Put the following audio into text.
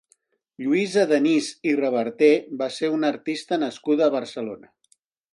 Lluïsa Denís i Reverter va ser una artista nascuda a Barcelona.